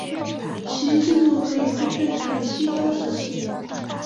其制度可以追溯至西周时期。